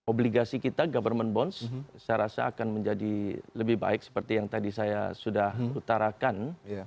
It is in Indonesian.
obligasi kita government bonds saya rasa akan menjadi lebih baik seperti yang tadi saya sudah utarakan